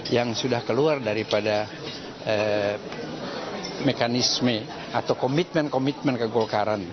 yang sudah keluar daripada mekanisme atau komitmen komitmen ke golkaran